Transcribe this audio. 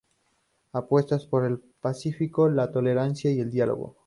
Apuesta por el pacifismo, la tolerancia y el diálogo.